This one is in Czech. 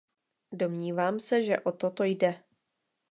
Domnívám se, že o toto jde.